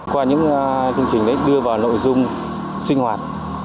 qua những chương trình đấy đưa vào nội dung sinh hoạt